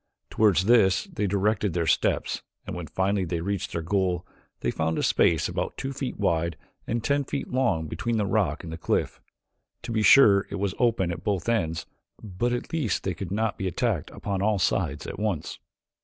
Toward this they directed their steps and when finally they reached their goal they found a space about two feet wide and ten feet long between the rock and the cliff. To be sure it was open at both ends but at least they could not be attacked upon all sides at once.